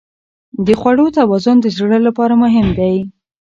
د خوړو توازن د زړه لپاره مهم دی.